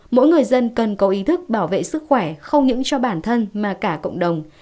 mỗi người dân cần có ý thức bảo vệ sức khỏe không những cho bản thân mà cả cộng đồng